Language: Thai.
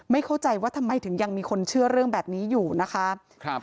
เข้าใจว่าทำไมถึงยังมีคนเชื่อเรื่องแบบนี้อยู่นะคะครับ